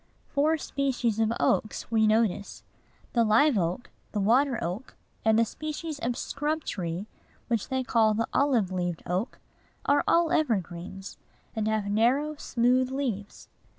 Four species of oaks we notice. The live oak, the water oak, and a species of scrub tree which they call the olive leaved oak, are all evergreens, and have narrow, smooth leaves.